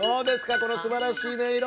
このすばらしいねいろ。